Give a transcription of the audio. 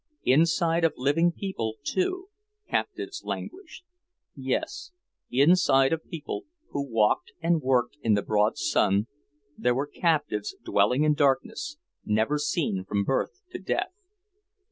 Inside of living people, too, captives languished. Yes, inside of people who walked and worked in the broad sun, there were captives dwelling in darkness, never seen from birth to death.